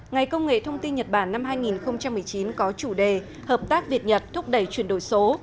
ngày công nghệ thông tin nhật bản năm hai nghìn một mươi chín có chủ đề hợp tác việt nhật thúc đẩy chuyển đổi số